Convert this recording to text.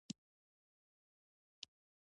احمد بې ځایه نوشادر کاروي.